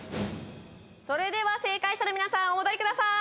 それでは正解者の皆さんお戻りくださーい